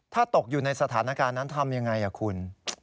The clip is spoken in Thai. ถ้าตกอยู่ในสถานการณ์นั้นทำยังไงคุณ